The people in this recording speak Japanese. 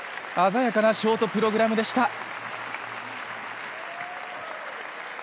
鮮やかなショートプログラムでした。